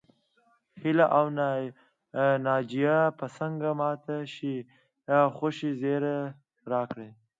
هيله او ناجيه به څنګه ماته د خوښۍ زيری راکړي